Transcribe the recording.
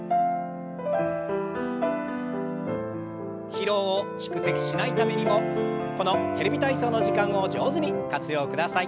疲労を蓄積しないためにもこの「テレビ体操」の時間を上手に活用ください。